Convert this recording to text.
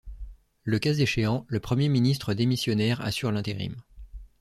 Le cas échéant, le Premier ministre démissionnaire assure l'intérim.